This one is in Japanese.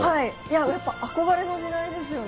やっぱ、憧れの時代ですよね。